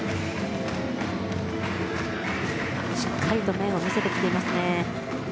しっかりと面を見せてきていますね。